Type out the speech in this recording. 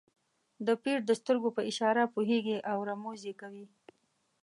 د پیر د سترګو په اشاره پوهېږي او رموز یې کوي.